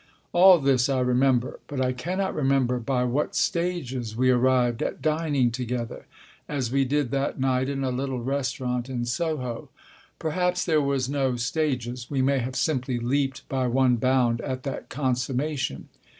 All this I remember. But I cannot remember by what stages we arrived at dining together, as we did that night in a little restaurant in Soho. Perhaps there were no stages ; we may have simply leaped by one bound at that consummation.